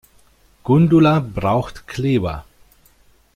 Gundula braucht Kleber.